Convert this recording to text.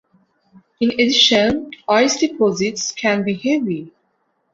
In addition, ice deposits can be heavy.